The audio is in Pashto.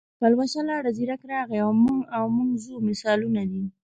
پلوشه لاړه، زیرک راغی او موږ ځو مثالونه دي.